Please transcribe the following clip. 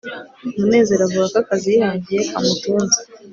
munezero avuga ko akazi yihangiye kamutunze